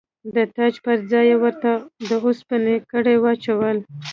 د تاج پر ځای یې ورته د اوسپنې کړۍ واچوله.